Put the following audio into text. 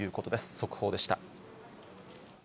速報でした。